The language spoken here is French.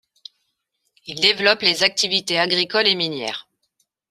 Ils développent les activités agricoles et minières.